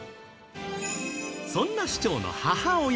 そんな首長の母親